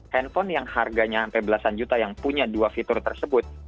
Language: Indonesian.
handphone yang harganya sampai belasan juta yang punya dua fitur tersebut